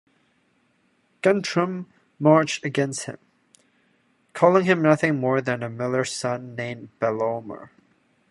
Guntram marched against him, calling him nothing more than a miller's son named Ballomer.